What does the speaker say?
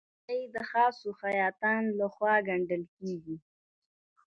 خولۍ د خاصو خیاطانو لهخوا ګنډل کېږي.